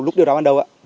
lúc điều tra ban đầu